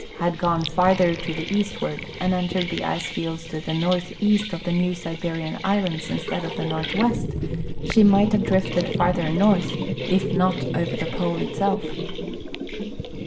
had gone farther to the east ward and entered the ice fields to the northeast of the New Sibe rian islands instead of the nortliwest, she might have drifted farther north, if not over the Pole itself.